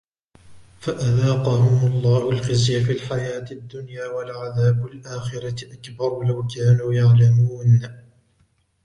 فَأَذَاقَهُمُ اللَّهُ الْخِزْيَ فِي الْحَيَاةِ الدُّنْيَا وَلَعَذَابُ الْآخِرَةِ أَكْبَرُ لَوْ كَانُوا يَعْلَمُونَ